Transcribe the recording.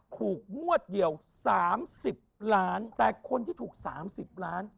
ถูกมั่วเดี่ยวสามสิบล้านแต่คนที่ถูกสามสิบล้าน